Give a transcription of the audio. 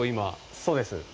そうです。